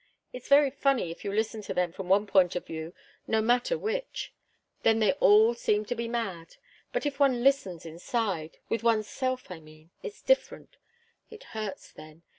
It's very funny, if you listen to them from any one point of view, no matter which. Then they all seem to be mad. But if one listens inside, with one's self, I mean, it's different. It hurts, then.